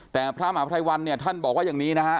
แต่พระมหาภัยวันเนี่ยท่านบอกว่าอย่างนี้นะฮะ